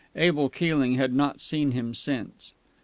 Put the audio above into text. Abel Keeling had not seen him since.